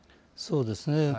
そうですね。